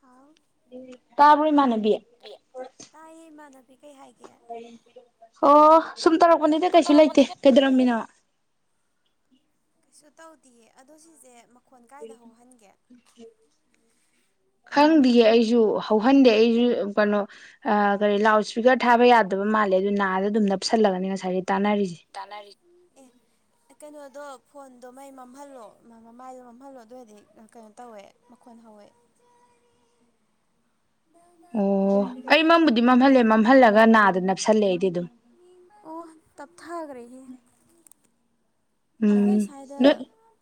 ꯍꯥꯎ ꯇꯥꯕꯨ ꯏꯃꯥꯟꯕꯤ ꯇꯥꯏꯌꯦ ꯏꯃꯥꯟꯅꯕꯤ ꯀꯩ ꯍꯥꯏꯒꯦ ꯑꯣ ꯁꯨꯝ ꯇꯧꯔꯛꯄꯅꯤꯗ ꯁꯨꯝ ꯀꯩꯁꯨ ꯂꯩꯇꯦ ꯇꯧꯔꯛꯄꯅꯤꯗ ꯀꯩꯗꯧꯔꯝꯃꯤꯅ ꯀꯩꯁꯨ ꯇꯧꯗꯌꯦ ꯑꯗꯣ ꯁꯤꯁꯦ ꯈꯣꯟ ꯀꯥꯏꯗ ꯍꯧꯍꯟꯒꯦ ꯈꯪꯗꯌꯦ ꯑꯩꯁꯨ ꯍꯧꯍꯟꯗꯦ ꯑꯩꯁꯨ ꯀꯩꯅꯣ ꯀꯔꯤ ꯂꯥꯎꯠ ꯏꯁꯄꯤꯀꯔ ꯊꯥꯕ ꯌꯥꯗꯕ ꯃꯥꯜꯂꯦ ꯑꯗꯨ ꯅꯥꯗ ꯑꯗꯨꯝ ꯅꯞꯁꯜꯂꯒꯅꯤ ꯉꯁꯥꯏ ꯇꯅꯥꯔꯤ ꯀꯩꯅꯣꯗꯣ ꯐꯣꯟꯗꯣ ꯃꯩ ꯃꯝꯍꯜꯂꯣ ꯃꯥꯏꯗꯣ ꯃꯝꯍꯜꯂꯣ ꯑꯗꯨ ꯑꯣꯏꯔꯗꯤ ꯀꯩꯅꯣ ꯇꯧꯋꯦ ꯃꯈꯣꯟ ꯍꯧꯋꯦ ꯑꯣ ꯑꯩ ꯃꯝꯕꯨꯗꯤ ꯃꯝꯍꯜꯂꯦ ꯃꯝꯍꯜꯂꯒ ꯅꯥꯗ ꯅꯞꯁꯜꯂꯦ ꯑꯩꯗꯤ ꯑꯗꯨꯝ ꯑꯣ ꯇꯞꯊꯈ꯭ꯔꯦꯍ ꯑꯩꯈꯣꯏ ꯎꯝ ꯁ꯭ꯋꯥꯏꯗ ꯅꯣꯏ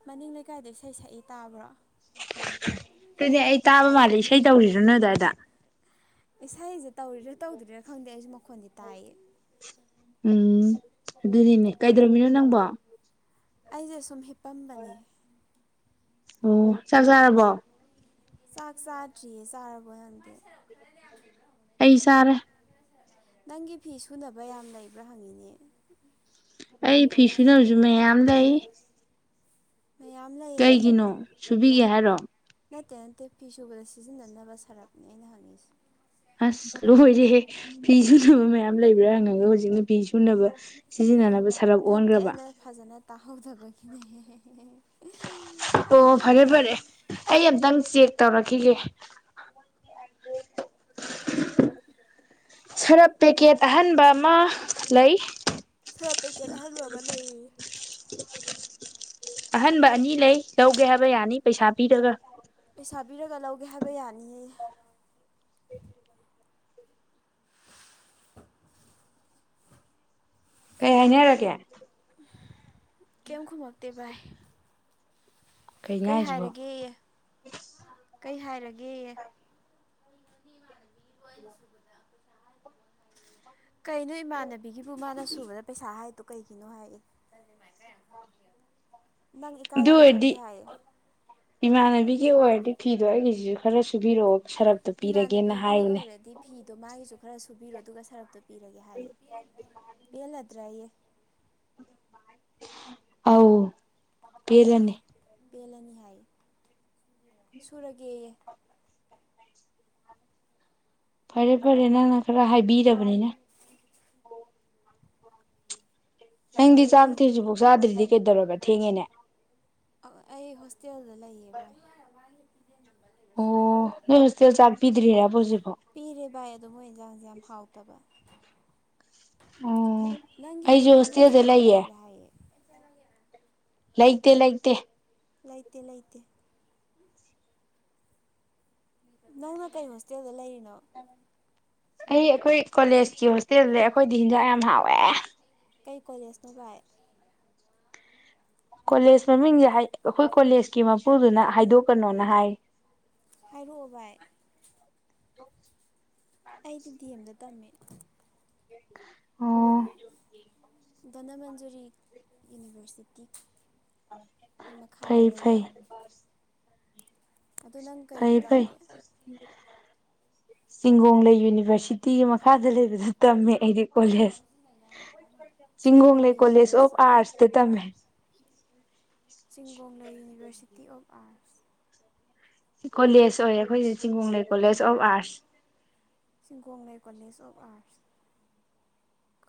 ꯃꯅꯤꯡ ꯂꯩ ꯀꯥꯏꯗ ꯏꯁꯩ ꯁꯛꯏ ꯇꯥꯕ꯭ꯔꯣ ꯀꯅꯤ ꯑꯩ ꯇꯥꯕ ꯃꯥꯂꯁ ꯇꯧꯁꯤꯔꯣ ꯅꯣ ꯑꯗꯨꯗ ꯏꯁꯩꯁꯦ ꯇꯧꯔꯤꯔꯥ ꯇꯧꯗꯣꯏꯔꯥ ꯈꯪꯗꯦ ꯑꯩꯁꯨ ꯑꯩꯈꯣꯟꯗꯤ ꯇꯥꯏ ꯎꯝ ꯑꯗꯨꯅꯤꯅꯦ ꯀꯩꯗꯧꯔꯝꯃꯤꯅꯣ ꯅꯪꯕꯣ ꯑꯩꯁꯨꯝ ꯍꯦꯛ ꯑꯄꯥꯝꯕꯅꯤ ꯑꯣ ꯆꯔ ꯆꯔꯔꯕꯣ ꯁꯥꯥꯛ ꯁꯥꯥꯔꯆꯌꯦ ꯆꯔꯥ ꯄꯨꯗ ꯑꯩ ꯁꯔꯦ ꯅꯪꯒꯤ ꯐꯤ ꯁꯨꯅꯕ ꯌꯥꯝ ꯂꯩꯕ꯭ꯔꯥ ꯍꯪꯉꯤꯅꯦ ꯑꯩ ꯐꯤꯁꯨꯅꯁꯨ ꯃꯌꯥꯝ ꯂꯩ ꯃꯌꯥꯝ ꯂꯩꯌꯦꯌꯦ ꯀꯩꯒꯤꯅꯣ ꯁꯨꯕꯤꯒꯦ ꯌꯥꯔꯣ ꯅꯠꯇꯦ ꯅꯠꯇꯦ ꯐꯤꯁꯨꯕꯗ ꯁꯤꯖꯤꯟꯅꯅꯕ ꯁꯔꯞꯅꯦ ꯑꯩꯅ ꯍꯪꯉꯤꯁꯦ ꯑꯁ ꯂꯣꯏꯔꯦꯍꯦ ꯐꯤ ꯁꯨꯅꯕ ꯃꯌꯥꯝ ꯂꯩꯕ꯭ꯔꯥ ꯍꯪꯉꯒ ꯍꯧꯖꯤꯛꯅ ꯐꯤ ꯁꯨꯅꯕ ꯁꯤꯖꯤꯟꯅꯅꯕ ꯁꯔꯞ ꯅꯠꯇꯦ ꯑꯣꯟꯈ꯭ꯔꯕ ꯑꯩꯅ ꯐꯖꯅꯦ ꯇꯥꯍꯧꯖꯕꯒꯤꯅꯦ ꯑꯣ ꯐꯔꯦ ꯐꯔꯦ ꯑꯩ ꯑꯇꯪ ꯆꯦꯛ ꯇꯧꯔꯛꯈꯤꯒꯦ ꯁꯔꯞ ꯄꯦꯛꯀꯦꯠ ꯑꯍꯟꯕ ꯑꯃ ꯂꯩ ꯊ ꯄꯦꯀꯦꯠ ꯍꯜꯋꯥꯕ ꯂꯩ ꯑꯍꯟꯕ ꯑꯅꯤ ꯂꯩ ꯂꯧꯒꯦ ꯍꯥꯏꯕ ꯌꯥꯅꯤ ꯄꯩꯁꯥ ꯄꯤꯔꯒ ꯄꯩꯁꯥ ꯄꯤꯔꯒ ꯂꯧꯒꯦ ꯍꯥꯏꯕ ꯌꯥꯅꯤꯌꯦ ꯀꯩ ꯍꯥꯏꯅꯤ ꯍꯥꯏꯔꯒꯦ ꯀꯦꯝꯈꯨꯃꯒꯇꯚꯏ ꯀꯩꯅꯣ ꯀꯩ ꯍꯥꯏꯁꯤꯕꯣ ꯍꯥꯏꯔꯒꯦ ꯀꯩ ꯍꯥꯏꯔꯒꯦ ꯎ ꯀꯩꯅꯣ ꯏꯃꯥꯟꯅꯕꯤꯒꯤꯕꯨ ꯃꯥꯅ ꯁꯨꯕꯗ ꯄꯩꯁꯥ ꯍꯥꯏꯗꯣ ꯀꯩꯒꯤꯅꯣ ꯍꯥꯏꯌꯦ ꯅꯪ ꯏꯀꯥꯏ ꯌꯥꯝ ꯈꯪꯗꯦ ꯔꯗꯤ ꯍꯥꯏꯌꯦ ꯏꯃꯥꯟꯅꯕꯤꯒꯤ ꯑꯣꯏꯔꯗꯤ ꯐꯤꯗꯣ ꯑꯩꯒꯤꯁꯤꯁꯨ ꯈꯔ ꯁꯨꯕꯤꯔꯛꯑꯣ ꯁꯔꯞꯇꯣ ꯄꯤꯔꯒꯦꯅ ꯏꯃꯥꯟꯅꯕꯤꯒꯤ ꯍꯥꯏꯕꯅꯦ ꯑꯣꯏꯔꯗꯤ ꯐꯤꯗꯣ ꯃꯥꯒꯤꯁꯨ ꯈꯔ ꯁ ꯊꯨꯕꯤꯔꯣ ꯑꯗꯨꯒ ꯁꯔꯞꯇ ꯄꯤꯔꯒꯦ ꯍꯥꯏꯌꯦ ꯄꯦꯜꯂꯗ꯭ꯔꯥ ꯑꯩꯌꯦ ꯑꯥꯎ ꯑꯧ ꯑꯌꯦ ꯕꯦꯜꯂꯅꯤ ꯍꯥꯏ ꯁꯨꯔꯒꯦ ꯐꯔꯦ ꯐꯔꯦ ꯅꯪꯅ ꯈꯔ ꯍꯥꯏꯕꯤꯔꯕꯅꯤꯅ ꯍꯪꯗꯤ ꯑꯩ ꯆꯥꯛꯇꯔꯁꯤꯕꯣꯛꯁꯥꯗ꯭ꯗꯤ ꯀꯦꯗꯧꯔꯕ ꯊꯦꯡꯉꯦꯅꯦ ꯑꯩ ꯍꯣꯁꯇꯦꯜꯗ ꯂꯩꯌꯦ ꯚꯥꯏ ꯑꯣ ꯅꯣꯏ ꯍꯣꯁꯇꯦꯜ ꯆꯥꯛ ꯄꯤꯗ꯭ꯔꯤꯔꯕꯣ ꯍꯧꯖꯤꯛ ꯐꯥꯎ ꯄꯤꯔꯦ ꯚꯥꯏ ꯑꯗꯣ ꯃꯣꯏ ꯏꯟꯖꯥꯡꯁꯦ ꯌꯥꯝ ꯍꯥꯎꯇꯕ ꯅꯪꯒꯤ ꯑꯩꯁꯨ ꯍꯦꯞꯄꯤ ꯍꯣꯁꯇꯦꯜꯗ ꯗꯦꯟꯒꯨꯝꯕ ꯂꯩꯌꯦ ꯂꯩꯕ꯭ꯔꯥ ꯍꯥꯏꯌꯦ ꯂꯩꯇꯦ ꯂꯩꯇꯦ ꯂꯩꯇꯦ ꯂꯩꯇꯦ ꯅꯪꯅ ꯀꯩ ꯍꯣꯁꯇꯦꯜꯗ ꯂꯩꯔꯤꯅꯣ ꯑ ꯑꯩ ꯑꯩꯈꯣꯏ ꯀꯣꯂꯦꯖꯀꯤ ꯍꯣꯁꯇꯦꯜꯁꯦ ꯑꯩꯈꯣꯏꯗꯤ ꯍꯤꯟꯖꯥꯡ ꯌꯥꯝ ꯍꯥꯎꯋꯦ ꯀꯩ ꯀꯣꯂꯦꯖꯅꯣ ꯕꯥꯢ ꯀꯣꯂꯦꯖ ꯃꯃꯤꯡꯁꯦ ꯑꯩꯈꯣꯏ ꯀꯣꯂꯦꯖꯀꯤ ꯃꯄꯨꯗꯨꯅ ꯍꯥꯏꯗꯣꯛꯀꯅꯣꯅ ꯍꯥꯏ ꯍꯥꯏꯔꯛ ꯑꯣ ꯕꯥꯏ ꯇꯣ ꯑꯩꯗꯤ ꯗꯤ ꯑꯦꯝꯗ ꯇꯝꯃꯦ ꯑꯣ ꯙꯅꯃꯟꯖꯨꯔꯤ ꯌꯨꯅꯤꯚꯔꯁꯤꯇꯤ ꯒꯤ ꯃꯈꯥꯗ ꯐꯩ ꯂꯩꯕ ꯐꯩ ꯑꯗꯨ ꯅꯪ ꯀꯩꯗ ꯐꯩ ꯐꯩ ꯇꯝꯒꯦ ꯆꯤꯡꯒꯣꯡꯂꯩ ꯌꯨꯅꯤꯚꯔꯁꯤꯇꯤꯒꯤ ꯃꯈꯥꯗ ꯂꯩꯕꯗꯨ ꯇꯝꯃꯦ ꯑꯩꯗꯤ ꯀꯣꯂꯦꯖ ꯆꯤꯡꯒꯣꯡꯂꯩ ꯀꯣꯂꯦꯖ ꯑꯣꯐ ꯑꯥꯔꯠꯁꯇ ꯇꯝꯃꯦ ꯎꯝ ꯆꯤꯡꯒꯣꯡꯂꯩ university city of arts college ꯑꯣꯏꯌꯦ ꯑꯩꯈꯣꯏꯁꯦ ꯆꯤꯡꯒꯣꯡꯂꯩ ꯀꯣꯂꯦꯖ ꯑꯣꯐ ꯑꯥꯔꯠꯁ ꯆꯤꯒꯣꯡ ꯂꯩꯩ ꯀꯣꯂꯦꯖ ꯑꯣꯐ ꯑꯥꯔꯠꯁ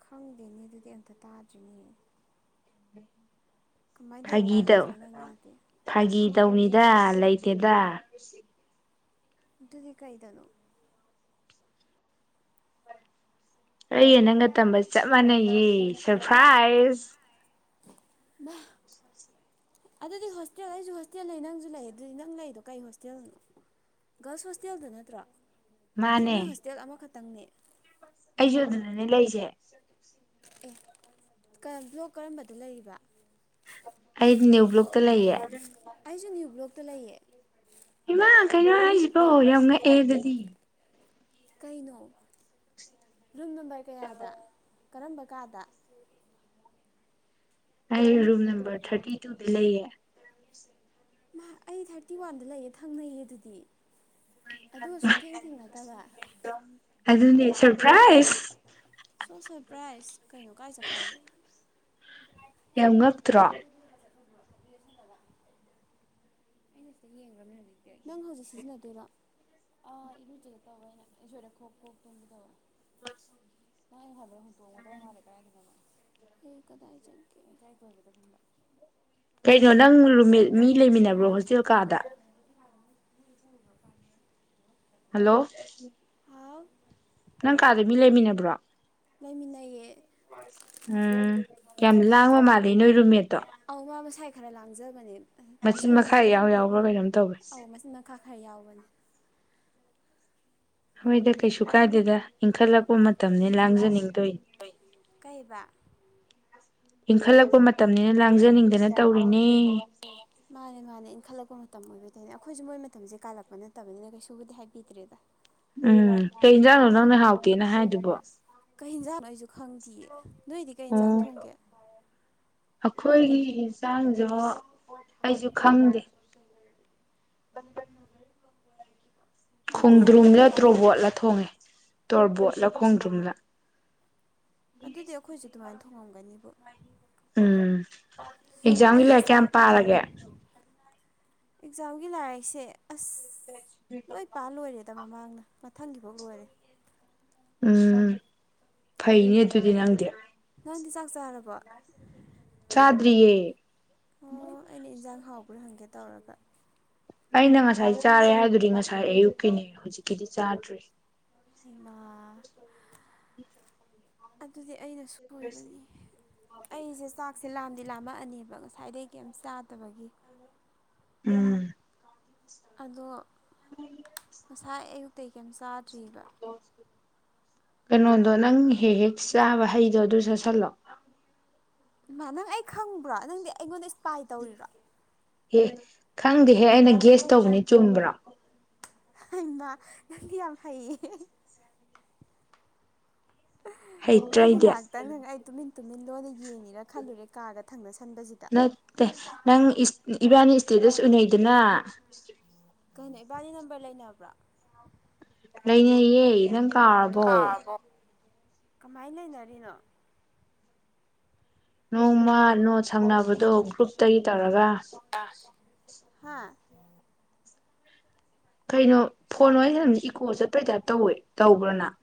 ꯈꯪꯗꯦꯅꯦ ꯑꯗꯨꯗꯤ ꯑꯝꯇ ꯇꯥꯗ꯭ꯔꯤꯅꯦ ꯀꯃꯥꯏꯅ ꯇꯧꯕ ꯐꯥꯒꯤꯗꯧ ꯀꯣꯂꯦꯖꯅꯣ ꯅꯪꯒꯤꯗꯨꯗꯤ ꯐꯥꯒꯤ ꯇꯧꯅꯤꯗ ꯂꯩꯇꯦꯗ ꯗꯨꯗꯤ ꯀꯩꯗꯅꯣ ꯑꯩꯌꯦ ꯅꯪꯒ ꯇꯝꯕ ꯆꯞ ꯃꯥꯟꯅꯩꯌꯦ ꯁꯐꯥꯏ ꯁꯦꯖ ꯑꯗꯨꯗꯤ ꯍꯣꯁꯇꯦꯜ ꯑꯩꯁꯨ ꯍꯣꯁꯇꯦꯜ ꯂꯩ ꯅꯪꯁꯨ ꯂꯩ ꯑꯗꯨꯗꯤ ꯅꯪ ꯂꯩꯗꯣ ꯀꯩ ꯍꯣꯁꯇꯦꯜꯅꯣ ꯒꯥꯔꯜꯁ ꯍꯣꯁꯇꯦꯜꯗ ꯅꯠꯇ꯭ꯔꯣ ꯃꯣꯏ ꯍꯣꯁꯦꯜ ꯑꯃꯥꯈꯛ ꯅꯪ ꯅꯦ ꯑꯩ ꯌꯣ ꯑꯗꯨꯅꯅꯦ ꯂꯩꯁꯦ ꯑꯦ ꯕ꯭ꯂꯣꯛ ꯀꯔꯝꯕꯗ ꯂꯩꯔꯤꯕ ꯑꯩ ꯅ꯭ꯌꯨ ꯕ꯭ꯂꯣꯛꯇ ꯂꯩꯌꯦ ꯇ ꯂꯩꯌꯦ ꯏꯃ ꯀꯩꯅꯣ ꯍꯥꯏꯁꯤꯕꯣ ꯌꯉꯛꯑ ꯑꯗꯨꯗꯤ ꯀꯩꯅꯣ ꯔꯨꯝ ꯅꯝꯕꯔ ꯀꯌꯥꯗ ꯀꯔꯝꯕ ꯀꯥꯗ ꯑꯩ ꯔꯨꯝ ꯅꯝꯕꯔ ꯊꯥꯔꯇꯤ ꯇꯨꯗꯤ ꯂꯩꯌꯦ ꯑꯩ ꯊꯥꯔꯇꯤ ꯋꯥꯟꯗ ꯂꯩꯌꯦ ꯊꯪꯅꯩꯌꯦ ꯑꯗꯨꯗꯤ ꯑꯗꯨ ꯁꯨꯡꯊꯦꯡ ꯊꯦꯡꯅꯗꯕ ꯑꯗꯨꯅꯦ ꯁꯔꯄ꯭ꯔꯥꯏꯁ ꯁꯣ ꯁꯔꯄ꯭ꯔꯥꯏꯁ ꯀꯩꯅꯣ ꯀꯥꯏ ꯆꯠꯈ꯭ꯔꯒꯦ ꯌꯥꯝ ꯉꯛꯇ꯭ꯔꯣ [unintelligible] [unintelligible] ꯅ ꯍꯥꯏꯕ ꯍꯨ ꯇꯣꯡꯉꯗ ꯃꯥꯔꯦ ꯀꯥꯏꯗꯅꯣꯑꯃꯥ [unintelligible] ꯀꯩꯅꯪ ꯅꯡ [inaudible] ꯃꯏꯗ ꯃꯤ ꯂꯩꯃꯤꯟꯅꯕ꯭ꯔꯣ ꯍꯣꯁꯇꯦꯜ ꯀꯥꯗ [unintelligible] ꯍꯜꯂꯣ ꯍꯥꯎ ꯅꯪ ꯀꯥꯗ ꯃꯤ ꯂꯩꯃꯤꯟꯅꯕ꯭ꯔꯣ ꯑꯝ ꯂꯩꯃꯤꯟꯅꯩꯌꯦ ꯀꯌꯥꯝ ꯂꯥꯡꯕ ꯃꯥꯜꯂꯦ ꯅꯣꯏ ꯔꯨꯝꯃꯦꯠꯇꯣ ꯑꯧ ꯃꯥ ꯃꯁꯥꯏ ꯈꯔ ꯂꯥꯡꯖꯕꯅꯦ ꯃꯆꯤꯟ ꯃꯈꯥ ꯇꯥꯁꯜꯂꯨꯅꯨ ꯏꯌꯥꯎ ꯌꯥꯎꯕ꯭ꯔꯥ ꯀꯩꯅꯣꯝ ꯇꯧꯋꯦ ꯑꯧ ꯃꯆꯤꯟ ꯃꯈꯥ ꯈꯔ ꯌꯥꯎꯕꯅꯦ ꯍꯣꯏꯗ ꯀꯩꯁꯨꯨ ꯀꯥꯏꯗꯦꯗ ꯏꯟꯈꯠꯂꯛꯄ ꯃꯇꯝꯅꯤ ꯂꯥꯡꯖꯅꯤꯡꯗꯣꯏꯅꯤ ꯀꯩꯕ ꯏꯪꯈꯠꯂꯛꯄ ꯃꯇꯝꯅꯤꯅ ꯂꯥꯡꯖꯅꯤꯡꯗꯅ ꯇꯧꯔꯤꯅꯦ ꯃꯥꯅꯦ ꯃꯥꯅꯦ ꯏꯟꯈꯠꯂꯛꯄ ꯃꯇꯝ ꯑꯣꯏꯕ ꯇꯅ ꯑꯩꯈꯣꯏꯁꯨ ꯃꯣꯏ ꯃꯇꯝꯁꯦ ꯀꯥꯜꯂꯛꯄ ꯅꯠꯇꯕꯅꯤꯅ ꯀꯩꯁꯨꯕꯨꯗꯤ ꯍꯥꯏꯕꯤꯗ꯭ꯔꯦꯗ ꯎꯝ ꯀꯩ ꯌꯦꯟꯖꯥꯡꯅꯣ ꯅꯪꯅ ꯍꯥꯎꯇꯦꯅ ꯍꯥꯏꯗꯨꯕꯣ ꯀꯩ ꯌꯦꯟꯖꯥꯡꯅꯣ ꯑꯩꯁꯨ ꯈꯪꯗꯦꯌꯦ ꯅꯣꯏꯗꯤ ꯀꯩ ꯌꯦꯟꯁꯥꯡ ꯑꯣ ꯊꯣꯡꯒꯦ ꯑꯩꯈꯣꯏꯒꯤ ꯏꯟꯁꯥꯡꯗꯨ ꯑꯩꯁꯨ ꯈꯪꯗꯦ ꯑꯗꯨꯗꯤ ꯌꯥꯝ ꯈꯣꯡꯗ꯭ꯔꯨꯝꯂ ꯂꯨꯔꯤꯅꯦ ꯇ꯭ꯔꯣꯕꯣꯠꯂ ꯊꯣꯡꯉꯦ ꯇꯣꯔꯕꯣꯠꯂ ꯈꯣꯡꯗ꯭ꯔꯨꯝꯂꯥ ꯑꯗꯨꯗꯤ ꯑꯩꯈꯣꯏꯁꯨꯦ ꯑꯗꯨꯃꯥꯏꯅ ꯊꯨꯡꯉꯝꯒꯅꯤꯕꯨ ꯎꯝ ꯑꯦꯛꯖꯥꯝꯒꯤ ꯑꯩꯁꯦ ꯂꯩꯔꯤꯛ ꯆꯥꯛ ꯀꯌꯥꯝ ꯄꯥꯔꯒꯦ ꯑꯦꯛꯖꯥꯝꯒꯤ ꯂꯥꯏꯔꯤꯛꯁꯦ ꯑꯁ ꯂꯣꯏ ꯄꯥ ꯂꯣꯏꯔꯦꯗ ꯃꯃꯥꯡꯅ ꯃꯊꯪꯈꯤꯕꯥꯑꯣ ꯂꯣꯏꯔꯦ ꯎꯝ ꯐꯩꯅꯦ ꯑꯗꯨꯗꯤ ꯅꯪꯗꯤ ꯅꯪꯗꯤ ꯆꯥꯛ ꯆꯥꯔꯕꯣ ꯆꯥꯗꯔꯤꯌꯦ [inaudible] ꯑꯣ ꯑꯩꯅ ꯏꯟꯖꯥꯡ ꯍꯥꯎꯕ꯭ꯔꯥ ꯍꯪꯒꯦ ꯇꯧꯔꯒ ꯑꯩꯅ ꯉꯁꯥꯏ ꯆꯥꯔꯦ ꯍꯥꯏꯗꯨꯗꯤ ꯉꯁꯥꯏ ꯑꯌꯨꯛꯀꯤꯅꯤ ꯍꯧꯖꯤꯛꯀꯤꯗꯤ ꯆꯥꯗ꯭ꯔꯤ ꯍꯩꯝ [unintelligible] ꯑꯗꯨꯗꯤ ꯑꯩꯅ ꯁꯣꯏꯕꯅꯤ ꯑꯩꯖꯦ ꯆꯥꯛ ꯁꯦ ꯂꯥꯝꯗꯤ ꯂꯥꯝꯃꯛꯑꯅꯦꯕ ꯉꯁꯥꯏꯗꯩ ꯀꯩꯝ ꯆꯥꯗꯕꯒꯤ꯫ ꯎꯝ꯫ ꯑꯗꯣ꯫ ꯉꯁꯥꯏ ꯑꯌꯨꯛ ꯑꯩ ꯀꯏꯝ ꯆꯥ ꯇ꯭ꯔꯤꯕ꯫ ꯀꯩꯅꯣꯗꯣ ꯅꯪ ꯍꯦꯛ ꯍꯦꯛ ꯆꯥꯕ ꯍꯩꯗꯣ ꯑꯗꯨ ꯆꯥꯁꯤꯜꯂꯣ꯫ ꯃꯥ ꯅꯪ ꯑꯩ ꯈꯪꯕ꯭ꯔꯣ ꯅꯪꯗꯤ ꯑꯩꯉꯣꯟꯗ ꯏꯁꯄꯥꯏ ꯇꯧꯔꯤꯔꯣ꯫ ꯑꯦ ꯈꯪꯗꯦꯍꯦ ꯑꯩꯅ ꯒꯦꯁ ꯇꯧꯕꯅꯤ ꯆꯨꯝꯕ꯭ꯔꯣ꯫ ꯍꯩꯃꯥ ꯅꯪꯗꯤ ꯌꯥꯝ ꯍꯩꯌꯦ꯫ ꯑꯩꯗꯤ ꯉꯥꯛꯇꯪ ꯅꯪ ꯑꯩ ꯇꯨꯃꯤ ꯇꯨꯃꯤꯟ ꯂꯣꯟꯅ ꯌꯦꯡꯉꯤꯔ ꯈꯜꯂꯨꯔꯦ ꯀꯥꯒ ꯊꯪꯅꯁ ꯃꯠꯇꯦ ꯅꯪ ꯏꯁ ꯏꯕꯥꯅꯤ ꯏꯁꯇꯦꯇꯁ ꯎꯅꯩꯗꯅ꯫ ꯀꯩꯅꯣ ꯏꯕꯥꯅꯤ ꯅꯝꯕꯔ ꯂꯩꯅꯕ꯭ꯔꯣ꯫ ꯂꯩꯅꯩꯌꯦ ꯅꯪ ꯈꯪ ꯇꯥꯕꯣ꯫ ꯀꯥꯔꯕꯣ ꯀꯃꯥꯏ ꯂꯩꯅꯔꯤꯅꯣ꯫ ꯅꯣꯡꯃ ꯅꯣꯠꯁ ꯍꯪꯅꯕꯗꯣ ꯒꯔꯨꯞꯇꯒꯤ ꯇꯧꯔꯒ ꯑꯁ ꯍꯥ ꯀꯩꯅꯣ ꯐꯣꯟ ꯋꯥꯔꯤ ꯁꯥꯟꯅꯕꯖꯤ ꯏꯀꯣ ꯆꯠꯄꯩ ꯇꯥꯏꯞ ꯇꯧꯋꯦ ꯇꯧꯕ꯭ꯔꯅꯪ꯫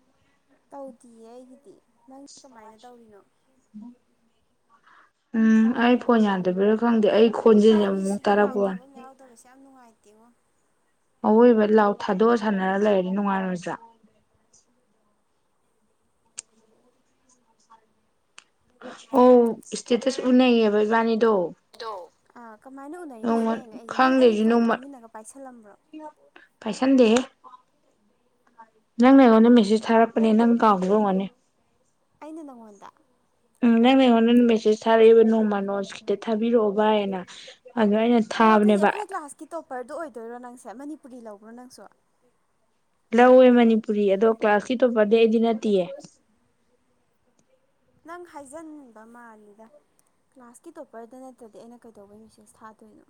ꯇꯧꯗꯤꯌꯦ ꯑꯩꯒꯤꯗꯤ꯫ ꯅꯪꯗꯤ ꯀꯃꯥꯏꯅ ꯇꯧꯔꯤꯅꯣ꯫ ꯎꯝ ꯑꯩ ꯐꯣꯟ ꯌꯥꯗꯕꯩꯔ ꯈꯪꯗꯦ ꯑꯩ ꯈꯣꯟꯖꯦꯜꯁꯦ ꯃꯣꯏꯒꯤ ꯑꯃꯨꯛꯃꯨꯛ ꯁꯤꯒꯤ ꯂꯥꯎ ꯇꯥꯔꯛꯄ ꯋꯥꯅꯤ ꯊꯕꯛ ꯌꯥꯎꯗꯕꯖꯦ ꯌꯥꯝ ꯅꯨꯡꯉꯥꯏꯇꯦꯉꯣ꯫ ꯑꯋꯣꯏꯕ ꯂꯥꯎ ꯊꯥꯗꯣꯛꯑ ꯁꯥꯟꯅꯔ ꯂꯩꯔꯗꯤ ꯅꯨꯡꯉꯥꯏ ꯔꯣꯏꯗ꯭ꯔ꯫ ꯑꯣ ꯏꯁꯇꯦꯇꯁ ꯎꯅꯩꯌꯦꯕ ꯏꯕꯥꯏꯅꯤ꯫ ꯥꯑꯗꯣ ꯀꯃꯥꯏꯅ ꯎꯅꯩꯅꯣ ꯅꯣꯡꯃ ꯁꯤꯅꯦ ꯑꯩꯅ ꯉꯛꯏꯖꯦ ꯅꯪ ꯈꯪꯗꯦ ꯑꯩꯒꯤ ꯑꯩꯁꯨ ꯐꯣꯟꯁꯦ ꯅꯣꯡꯃ ꯇꯨꯃꯤꯟꯅꯒ ꯄꯥꯏꯁꯜꯂꯝꯕ꯭ꯔꯣ꯫ ꯄꯥꯏꯁꯟꯗꯦꯍꯦ ꯅꯪꯅ ꯑꯩꯉꯣꯟꯗ ꯃꯦꯁꯦꯁ ꯊꯥꯔꯛꯄꯅꯦ ꯅꯪ ꯀꯥꯎꯒꯤꯕꯑꯣꯏꯔꯝꯅꯤ꯫ ꯅꯉꯣꯗ꯫ ꯎꯝ ꯅꯪꯅ ꯑꯩꯉꯣꯟꯗ ꯃꯦꯁꯦꯁ ꯊꯥꯔꯛꯏꯕ ꯅꯣꯡꯃꯥ ꯅꯣꯇꯁ ꯈꯤꯇ ꯊꯥꯕꯤꯔꯛꯑꯣ ꯕꯥꯙ ꯑꯅ꯫ ꯑꯗꯨꯗ ꯑꯩꯅ ꯊꯥꯕꯅꯦꯕ꯫ ꯄꯔꯗꯣ ꯑꯣꯏꯗꯣꯏꯔꯣ ꯅꯪꯁꯦ ꯃꯅꯤꯄꯨꯔꯤ ꯂꯧꯕ꯭ꯔꯣ ꯅꯪꯁꯨ꯫ ꯂꯧꯋꯦ ꯃꯅꯤꯄꯨꯔꯤ ꯑꯗꯣ ꯀ꯭ꯂꯥꯁꯀꯤ ꯇꯣꯞꯄꯔꯗꯤ ꯑꯩꯗꯤ ꯅꯠꯇꯦꯌꯦ꯫ ꯅꯪ ꯍꯥꯏꯖꯤꯟꯕ ꯃꯥꯜꯂꯤꯗ ꯀ꯭ꯂꯥꯁꯀꯤ ꯇꯣꯞꯄꯔꯗ ꯅꯠꯇ꯭ꯔꯗꯤ ꯑꯩꯅ ꯀꯩꯗꯧꯕꯩ ꯃꯦꯁꯦꯁ ꯊꯥꯗꯣꯏꯅꯣ꯫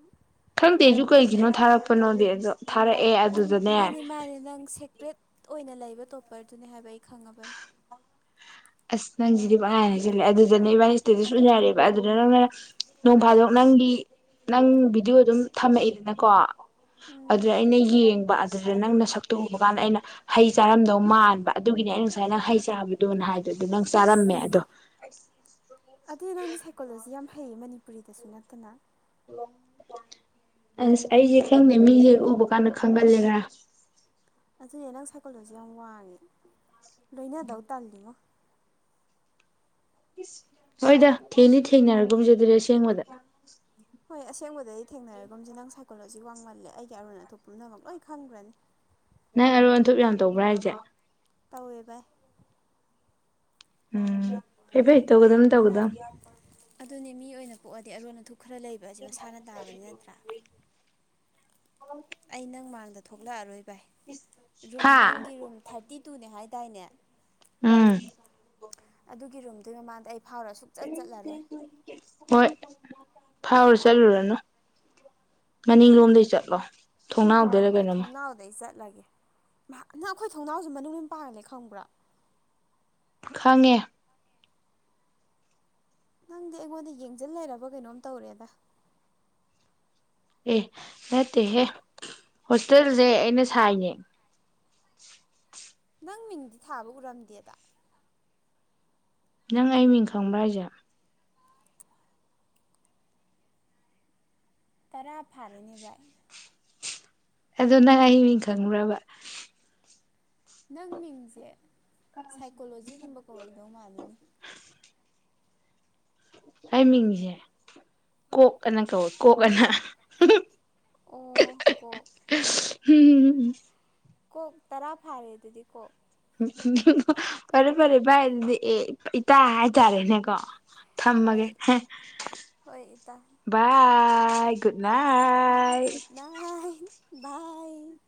ꯈꯪꯗꯦꯁꯨ ꯀꯩꯒꯤꯅꯣ ꯑꯣꯏꯔꯝꯒꯅꯤꯗ ꯊꯥꯔꯛꯄꯅꯣꯗꯤ ꯑꯖꯨꯅꯦ ꯊꯥꯔꯛꯑꯦ ꯑꯗꯨꯗꯅꯦ ꯃꯥꯅꯦ ꯇꯣꯄꯔꯗꯨꯅꯤ ꯍꯥꯏꯕ ꯑꯩ ꯈꯪꯉꯕꯅꯤ ꯑꯁ ꯅꯪꯁꯤꯗꯤ ꯄꯪꯍꯥꯏ ꯍꯥꯏꯁꯤꯜꯂꯦ ꯑꯗꯨꯗꯅꯦ ꯏꯕꯥꯅꯤ ꯏꯁꯇꯦꯗꯁꯨ ꯎꯅꯔꯦꯕ ꯑꯗꯨꯗ ꯅꯪꯅ ꯅꯣꯡꯐꯥꯗꯣꯛ ꯅꯪꯒꯤ ꯅꯪ ꯚꯤꯗꯤꯑꯣ ꯑꯗꯨꯝ ꯊꯝꯃꯛꯏꯗꯅꯀꯣ ꯑꯗꯨ ꯎꯝ ꯑꯩꯅ ꯌꯦꯡꯕ ꯑꯗꯨꯗ ꯅꯪꯅ ꯁꯛꯇꯨ ꯎꯕ ꯀꯥꯟꯗ ꯑꯩꯅ ꯍꯩ ꯆꯥꯔꯝꯗꯧ ꯃꯥꯟꯕ ꯑꯗꯨꯒꯤꯅꯤ ꯑꯩꯅ ꯉꯁꯥꯏ ꯅꯪ ꯍꯩ ꯆꯥꯕꯗꯨꯣꯅ ꯍꯥꯏꯗꯣ ꯑꯗꯨꯗ ꯅꯪ ꯆꯥꯔꯝꯃꯦ ꯑꯗꯣ ꯑꯗꯩ ꯅꯪꯗꯤ ꯁꯥꯏꯀꯣꯂꯣꯖꯤ ꯌꯥꯝ ꯐꯩꯌꯦ ꯃꯅꯤꯄꯨꯔꯤꯗꯁꯨ ꯅꯠꯇꯅ ꯑꯁ ꯑꯩꯁꯦ ꯈꯪꯗꯦ ꯃꯤꯁꯦ ꯎꯕ ꯀꯥꯟꯗ ꯈꯪꯒꯟꯂꯦ ꯈꯔ ꯑꯗꯨꯅꯦ ꯅꯪ ꯁꯥꯏꯀꯣꯜꯗꯁꯨ ꯌꯥꯝ ꯋꯥꯡꯉꯦ ꯂꯣꯏꯅꯗꯧ ꯇꯜꯂꯤꯉꯣ ꯏꯁ ꯍꯣꯏꯗ ꯊꯦꯡꯅꯤ ꯊꯦꯡꯅꯔꯒꯨꯝꯖꯗ꯭ꯔꯦ ꯑꯗꯨꯗꯤ ꯑꯁꯦꯡꯕꯗ ꯍꯣꯏ ꯑꯁꯦꯡꯕꯗꯩ ꯊꯦꯡꯅꯔꯒꯨꯝꯁꯦ ꯅꯪ ꯁꯥꯏꯀꯣꯂꯣꯖꯤ ꯋꯥꯡꯃꯜꯂꯦ ꯑꯩꯒꯤ ꯑꯔꯣꯟ ꯑꯇꯣꯞ ꯄꯨꯝꯅꯃꯛ ꯂꯣꯏ ꯈꯪꯈ꯭ꯔꯅꯤ ꯅꯪ ꯑꯔꯣꯟ ꯑꯟꯊꯨꯞ ꯌꯥꯝ ꯇꯧꯕ꯭ꯔꯥ ꯍꯥꯏꯁꯦ ꯇꯧꯋꯦ ꯚꯏ ꯑꯨꯝ ꯐꯩ ꯐꯩ ꯇꯧꯒꯗꯝ ꯇꯧꯒꯗꯝꯅꯦ ꯑꯗꯨꯅꯦ ꯃꯤ ꯑꯣꯏꯅ ꯄꯣꯛꯑꯗꯤ ꯑꯔꯣꯟ ꯑꯊꯨꯝ ꯈꯔ ꯂꯩꯕ ꯑꯁꯤ ꯃꯁꯥꯅ ꯇꯥꯕꯅꯤ ꯅꯠꯇ꯭ꯔꯥ ꯑꯩ ꯅꯪ ꯃꯥꯡꯗ ꯊꯣꯛꯂꯛꯑꯔꯣꯏ ꯔꯨꯝ ꯍꯥ ꯅꯪꯒꯤ ꯔꯨꯝ ꯊꯥꯔꯇꯤ ꯇꯨꯅꯦ ꯍꯥꯏ ꯇꯥꯏꯅꯦ ꯑꯨꯝ ꯑꯗꯨꯒꯤ ꯔꯨꯝꯗꯨ ꯃꯃꯥꯡꯗ ꯑꯩ ꯐꯥꯎꯔ ꯁꯨꯛꯆꯠ ꯆꯠꯂꯔꯣꯏ ꯍꯣꯏ ꯐꯥꯎꯔ ꯆꯂꯨꯔꯅꯨ ꯎꯝ ꯃꯅꯤꯡꯂꯣꯝꯗꯩ ꯆꯠꯂꯣ ꯊꯣꯡꯅꯥꯎꯗꯩꯔ ꯍꯣꯏ ꯀꯩꯅꯣꯝꯃ ꯊꯣꯡꯅꯥꯎꯗꯩ ꯆꯠꯂꯒꯦ ꯅꯪ ꯑꯩꯈꯣꯏ ꯊꯣꯡꯅꯥꯎꯁꯨ ꯃꯅꯨꯡ ꯄꯥꯔꯂꯦ ꯈꯪꯕ꯭ꯔꯥ ꯈꯪꯉꯦ ꯅꯪꯗꯤ ꯑꯩꯉꯣꯟꯗ ꯌꯦꯡꯁꯤꯟ ꯂꯩꯔꯕ ꯀꯩꯅꯣꯝ ꯇꯧꯔꯦꯗ ꯑꯦ ꯅꯠꯇꯦꯍꯦ ꯍꯣꯁꯇꯦꯜꯁꯦ ꯑꯩꯅ ꯁꯥꯏꯅꯦ ꯅꯪ ꯃꯤꯡꯗꯤ ꯊꯥꯕ ꯎꯔꯝꯗꯦꯗ ꯅꯪ ꯑꯩ ꯃꯤꯡ ꯈꯪꯕ ꯍꯥꯏꯖꯦ ꯇꯔꯥ ꯐꯥꯔꯦꯅꯦ ꯚꯥꯏ ꯑꯗꯨꯅꯪ ꯑꯩ ꯃꯤꯡ ꯈꯪꯕ꯭ꯔꯕ ꯅꯪ ꯃꯤꯡꯁꯦ ꯁꯥꯏꯀꯣꯂꯣꯖꯤꯒꯨꯝꯕ ꯀꯧꯔꯝꯗꯧ ꯃꯥꯜꯂꯤꯅꯦ ꯑꯩ ꯃꯤꯡꯁꯦ ꯀꯣꯛ ꯑꯅ ꯀꯧꯋꯦ ꯀꯣꯛ ꯑꯅ ꯑꯣ ꯀꯣꯛ ꯍꯨꯝ ꯀꯣꯛ ꯇꯔꯥ ꯐꯥꯔꯦ ꯑꯗꯨꯗꯤ ꯀꯣꯛ ꯐꯔꯦ ꯐꯔꯦ ꯚꯥꯏ ꯑꯗꯨꯗꯤ ꯑꯦ ꯏꯇꯥ ꯍꯥꯏꯇꯥꯔꯦꯅꯦꯀꯣ ꯍꯣꯏ ꯊꯝꯃꯒꯦ ꯍꯦ ꯍꯣꯏ ꯏꯇꯥ ꯕꯥꯏ ꯑꯦ [unintelligible] ꯒꯨꯗꯅꯥꯏꯇ ꯒꯨꯗ ꯅꯥꯏꯠ ꯕꯥꯏ꯫